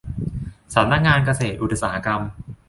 สำนักงานเศรษฐกิจอุตสาหกรรม